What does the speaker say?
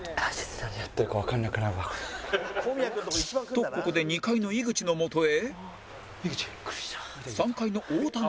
とここで２階の井口のもとへ３階の太田が